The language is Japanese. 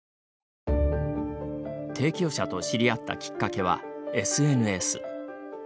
提供者と知り合ったきっかけはＳＮＳ。